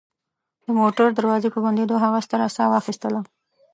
د موټر دروازې په بندېدو هغه ستره ساه واخیستله